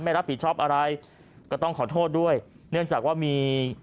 ไม่รับผิดชอบอะไรก็ต้องขอโทษด้วยเนื่องจากว่ามี